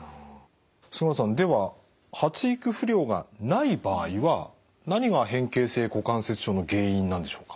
菅野さんでは発育不良がない場合は何が変形性股関節症の原因なんでしょうか？